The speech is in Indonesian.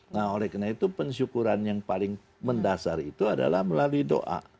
nah oleh karena itu pensyukuran yang paling mendasar itu adalah melalui doa